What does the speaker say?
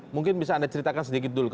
mungkin bisa anda ceritakan sendiri pak hatta